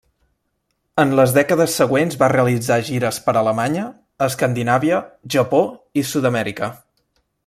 En les dècades següents va realitzar gires per Alemanya, Escandinàvia, Japó i Sud-amèrica.